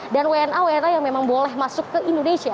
dan wna wni yang memang boleh masuk ke indonesia